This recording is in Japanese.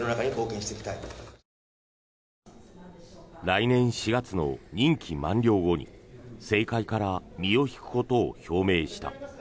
来年４月の任期満了後に政界から身を引くことを表明した。